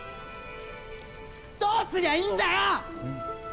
どうすりゃいいんだよ。